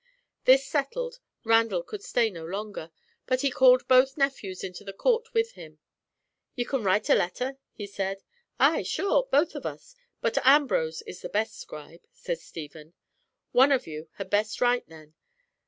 This settled, Randall could stay no longer, but he called both nephews into the court with him. "Ye can write a letter?" he said. "Ay, sure, both of us; but Ambrose is the best scribe," said Stephen. "One of you had best write then.